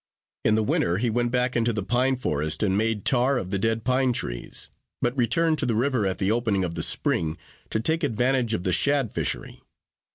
In the winter he went back into the pine forest, and made tar of the dead pine trees; but returned to the river at the opening of the spring, to take advantage of the shad fishery.